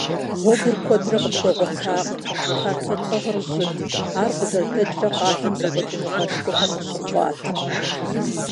Гъуэгур куэдрэ къытхуэгъуэтакъым, картэ тӏыгъыр жьыт, ар къызэрыдэкӏрэ къалэм зэхъуэкӏыныгъэшхуэхэр къыщыхъуат.